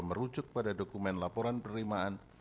merujuk pada dokumen laporan penerimaan